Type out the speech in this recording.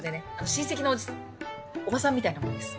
親戚のおじおばさんみたいなもんです。